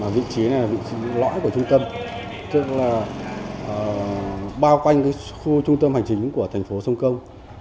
vị trí này là vị trí lõi của trung tâm tức là bao quanh khu trung tâm hành chính của thành phố sông công